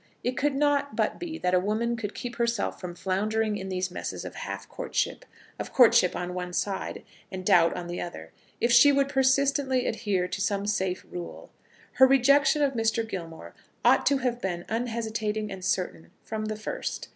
It could not but be that a woman could keep herself from floundering in these messes of half courtship, of courtship on one side, and doubt on the other, if she would persistently adhere to some safe rule. Her rejection of Mr. Gilmore ought to have been unhesitating and certain from the first.